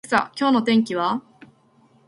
アレクサ、今日の天気は